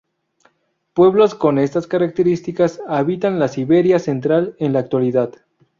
Pueblos con estas características habitan la Siberia Central en la actualidad.